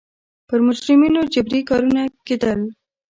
پر مجرمینو جبري کارونه کېدل.